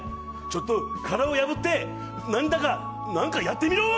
殻を破って、何だか、何かやってみろー。